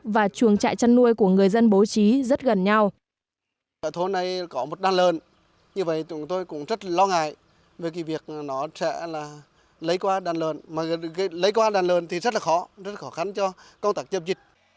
và chuồng trại chăn nuôi của người dân bố trí rất gần nhau